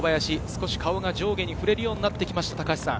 少し顔が上下に振れるようになってきました。